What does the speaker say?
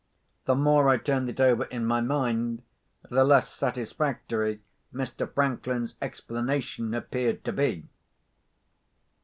The more I turned it over in my mind, the less satisfactory Mr. Franklin's explanation appeared to be.